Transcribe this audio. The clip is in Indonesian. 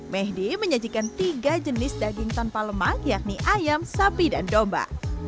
mehdi menyajikan tiga jenis daging tanpa lemak yakni ayam sapi dan domba